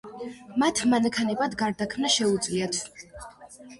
მათ მანქანებად გარდაქმნა შეუძლიათ.